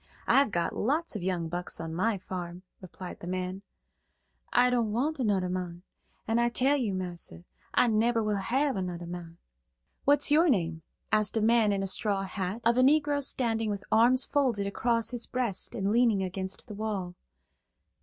I've got lots of young bucks on my farm," replied the man. "I don't want anudder mon, an' I tell you, massa, I nebber will hab anudder mon." "What's your name?" asked a man in a straw hat, of a Negro standing with arms folded across his breast and leaning against the wall.